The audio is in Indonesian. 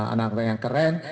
anak anak yang keren